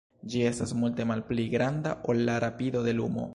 Ĝi estas multe malpli granda ol la rapido de lumo.